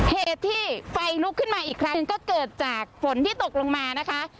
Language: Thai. เหตุที่ไฟลุกขึ้นมาอีกครั้งก็เกิดจากฝนที่ตกลงมานะคะ